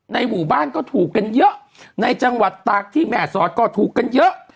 หมู่บ้านก็ถูกกันเยอะในจังหวัดตากที่แม่สอดก็ถูกกันเยอะ